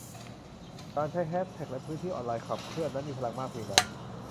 การใช้แฮชแท็กและพื้นที่ออนไลน์ขับเคลื่อนนั้นมีพลังมากเพียงใด